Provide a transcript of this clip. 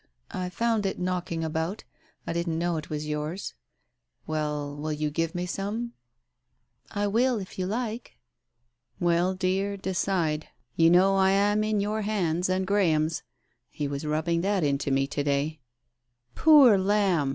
I found it knocking about : I didn't know it was yours. Well, will you give me some ?" "I will, if you like." "Well, dear, decide. You know I am in your hands and Graham's. He was rubbing that into me to day." "Poor lamb